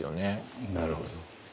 なるほど。